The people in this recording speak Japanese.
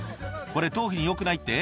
これ頭皮によくないって？」